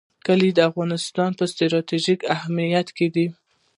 کلي د افغانستان په ستراتیژیک اهمیت کې دي.